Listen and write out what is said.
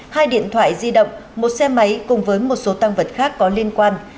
hai điện thoại di động một xe máy cùng với một số tăng vật khác có liên quan